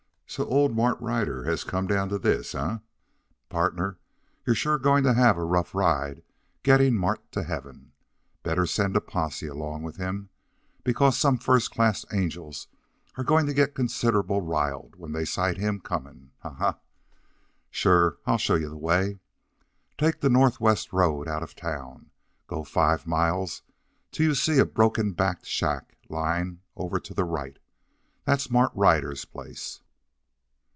So old Mart Ryder has come down to this, eh? Partner, you're sure going to have a rough ride getting Mart to heaven. Better send a posse along with him, because some first class angels are going to get considerable riled when they sight him coming. Ha, ha, ha! Sure I'll show you the way. Take the northwest road out of town and go five miles till you see a broken backed shack lyin' over to the right. That's Mart Ryder's place."